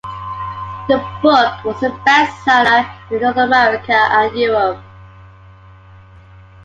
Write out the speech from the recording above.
The book was a bestseller in North America and Europe.